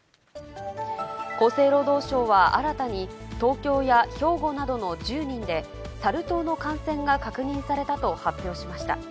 厚生労働省は、新たに東京や兵庫などの１０人で、サル痘の感染が確認されたと発表しました。